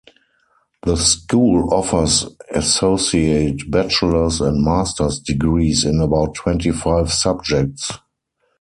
The school offers associate, bachelor's and master's degrees in about twenty-five subjects.